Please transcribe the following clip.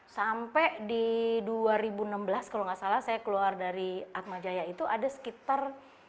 sampai di dua ribu enam belas kalau nggak salah saya keluar dari atmajaya itu ada sekitar